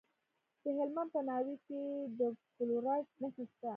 د هلمند په ناوې کې د فلورایټ نښې شته.